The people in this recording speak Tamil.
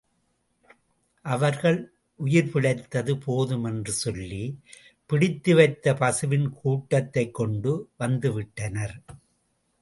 அவர்கள் உயிர் பிழைத்தது போதும் என்று சொல்லி, பிடித்து வைத்த பசுவின் கூட்டத்தைக் கொண்டு வந்து விட்டனர்.